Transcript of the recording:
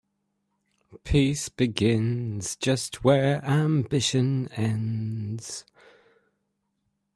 Peace begins just where ambition ends.